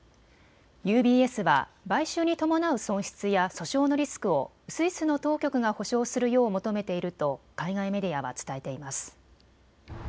ＵＢＳは買収に伴う損失や訴訟のリスクをスイスの当局が補償するよう求めていると海外メディアは伝えています。